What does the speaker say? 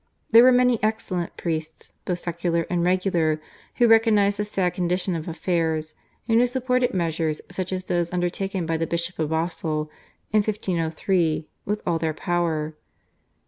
There were many excellent priests, both secular and regular, who recognised the sad condition of affairs, and who supported measures such as those undertaken by the Bishop of Basle in 1503 with all their power.